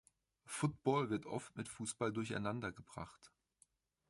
Football wird oft mit Fußball durcheinandergebracht.